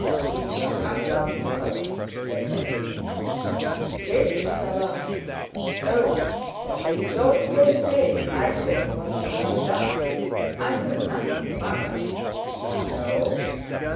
"It shall come down to morrow," said Bosinney. James was alarmed. "Oh," he said, "don't go saying I said it was to come down! I know nothing about it!" "No?"